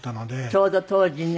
ちょうど当時ね